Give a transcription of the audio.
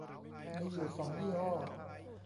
มีอยู่สองยี่ห้อ